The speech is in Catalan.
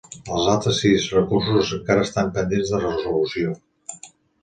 Els altres sis recursos encara estan pendents de resolució.